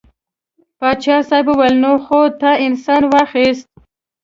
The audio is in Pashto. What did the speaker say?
پاچا صاحب وویل نو خو تا انسان واخیست.